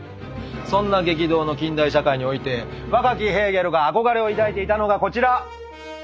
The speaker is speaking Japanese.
そんな激動の近代社会において若きヘーゲルが憧れを抱いていたのがこちら。